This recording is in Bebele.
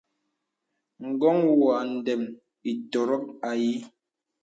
Ǹgɔ̄ŋ wɔ àdəm ìtɔ̀rɔ̀k ayìì.